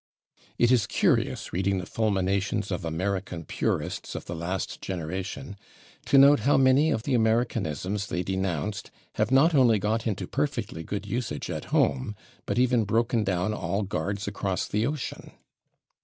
It is curious, reading the fulminations of American purists of the last generation, to note how many of the Americanisms they denounced have not only got into perfectly good usage at home but even broken down all guards across the ocean.